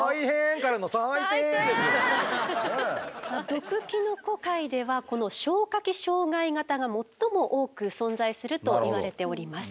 毒キノコ界ではこの消化器障害型が最も多く存在するといわれております。